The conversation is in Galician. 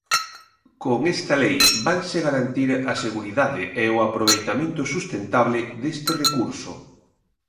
Con esta lei vanse garantir a seguridade e o aproveitamento sustentable deste recurso.